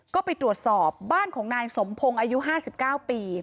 ก็ไปตรวจสอบบ้านของนายสมพงศ์อายุ๕๙ปี